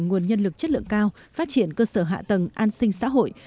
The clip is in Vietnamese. nguồn nhân lực chất lượng cao phát triển cơ sở hạ tầng an sinh xã hội